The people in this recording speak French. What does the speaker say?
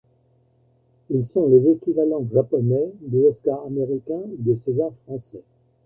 Ils sont les équivalents japonais des Oscars américains ou des César français.